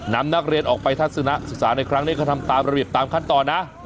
นำนักเรียนออกไปทัศนะศึกษาในครั้งนี้ก็ทำตามระเบียบตามขั้นตอนนะ